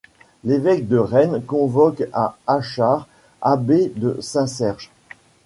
L'évêque de Rennes convoque à Achard, abbé de Saint-Serge.